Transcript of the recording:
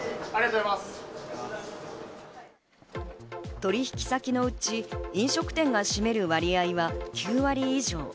取引先のうち飲食店が占める割合は９割以上。